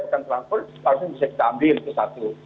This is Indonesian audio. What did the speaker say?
bahkan selangkut langsung bisa kita ambil itu satu